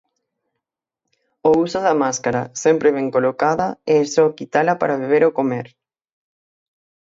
O uso da máscara, sempre ben colocada e só quitala para beber ou comer.